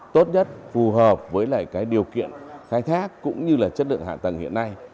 tốt nhất phù hợp với điều kiện khai thác cũng như chất lượng hạ tầng hiện nay